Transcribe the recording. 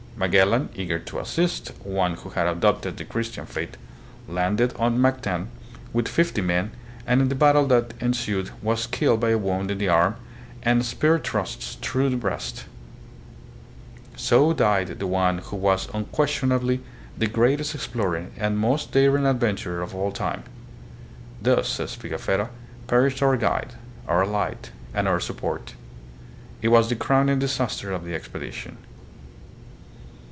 Magellan, eager to assist one who had adopted the Christian faith, landed on Mac THE GREAT GEOGRAPHICAL DISCOVERIES. 81 tan with fifty men and in the battle that ensued was killed by a wound in the arm and spear thrusts through the breast. So died the one who was unquestionably the greatest explorer and most daring adventurer of all time. "Thus," says Pigafetta, "perished our guide, our light, and our support." It was the crowning disaster of the expedition.